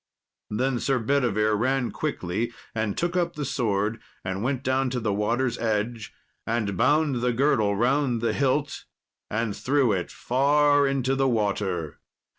Then Sir Bedivere ran quickly and took up the sword, and went down to the water's edge, and bound the girdle round the hilt and threw it far into the water.